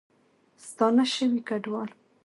ستانه شوي کډوال